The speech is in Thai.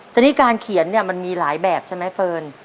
แต่นี่การเขียนเนี่ยมันมีหลายแบบใช่ไหมเฟิร์น